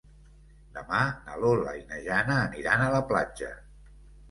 Demà na Lola i na Jana aniran a la platja.